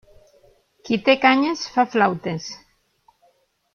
Qui té canyes fa flautes.